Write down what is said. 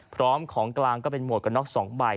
พร้อมของกลางก็เป็นหมวกกันน็อก๒ใบ